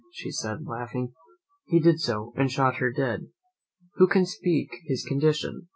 said she, laughing. He did so, and shot her dead. Who can speak his condition?